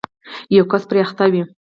یو کس پرې اخته وي